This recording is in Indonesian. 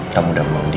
kamu udah mau undi